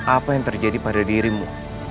apa yang terjadi pada dirimu